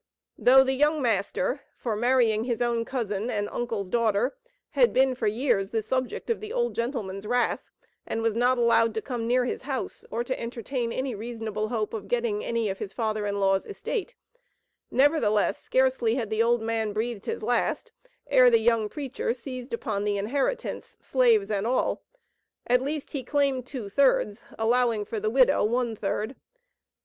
Though the young master, for marrying his own cousin and uncle's daughter, had been for years the subject of the old gentleman's wrath, and was not allowed to come near his house, or to entertain any reasonable hope of getting any of his father in law's estate, nevertheless, scarcely had the old man breathed his last, ere the young preacher seized upon the inheritance, slaves and all; at least he claimed two thirds, allowing for the widow one third.